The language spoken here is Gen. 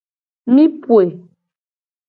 Mi poe.